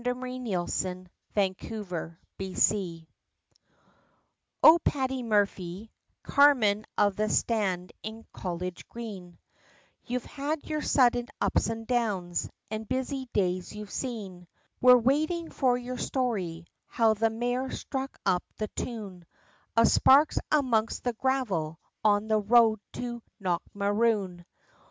[Illustration: JOHN MC KUNE] O PADDY MURPHY carman of the stand in College Green You've had your sudden ups and downs, and busy days you've seen, We're waiting for your story; how the mare struck up the tune, Of sparks amongst the gravel, on the road to Knockmaroon.